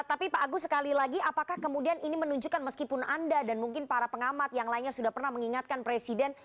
tapi pak agus sekali lagi apakah kemudian ini menunjukkan meskipun anda dan mungkin para pengamat yang lainnya sudah pernah mengingatkan presiden